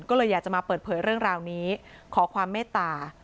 ก็เลยอยากจะมาเปิดเผยเรื่องราวนี้ขอความเมตตา